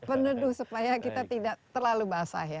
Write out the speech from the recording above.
peneduh supaya kita tidak terlalu basah ya